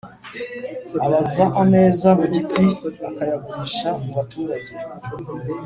abaza ameza mu giti akayagurisha mubaturage